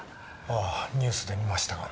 ああニュースで見ましたが。